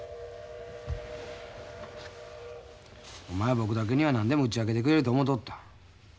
お前は僕だけには何でも打ち明けてくれると思うとった。